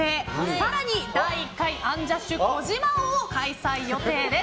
更に、第１回アンジャッシュ児嶋王を開催予定です。